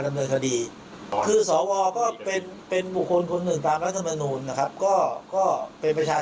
ท่านสวก็ต้องให้เกียรติเราและรับฟังเรา